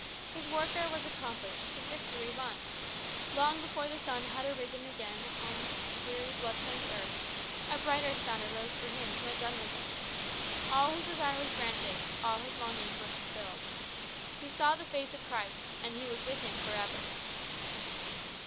His warfare was accomplished, his victory was won. Long before the sun had arisen again upon the weary blood stained earth, a brighter sun arose for him who had done with earth. All his desire was granted, all his longings were fulfilled. He saw the face of Christ, and he was with Him for ever.